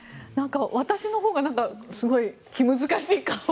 私のほうがすごい気難しい顔。